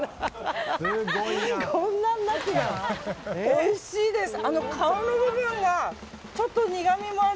おいしいです！